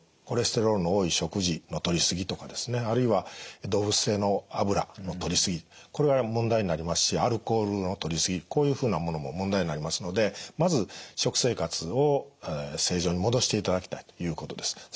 コレステロールの多い食事のとりすぎとかですねあるいは動物性の油のとりすぎこれは問題になりますしアルコールのとりすぎこういうふうなものも問題になりますのでまず食生活を正常に戻していただきたいということです。